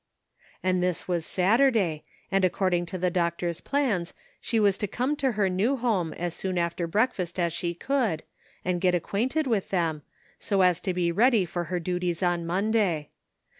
And this was Saturday, and according to the doctor's plans she was to come to her new home as soon after breakfast as she could, and get acquainted with them, so as to be ready for her duties on Monday.